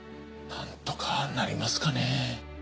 なんとかなりますかね。